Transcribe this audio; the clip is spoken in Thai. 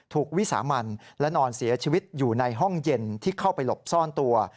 วิสามันและนอนเสียชีวิตอยู่ในห้องเย็นที่เข้าไปหลบซ่อนตัว